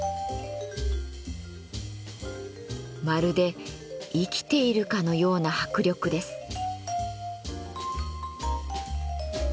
まるで生きているかのような迫力です。